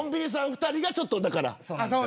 ２人がちょっと。